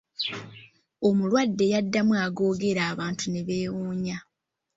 Omulwadde yaddamu agoogera abantu ne beewunya.